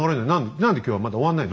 何で今日はまだ終わんないの？